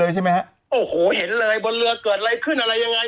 ใช่ไหมฮะโอ้โหเห็นเลยบนเรือเกิดอะไรขึ้นอะไรยังไง